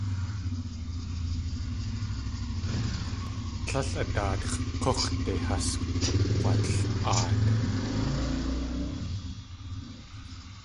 Tlél a daatx̲ k̲úx̲de has tukg̲wal.aat.